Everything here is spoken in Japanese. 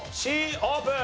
Ｃオープン！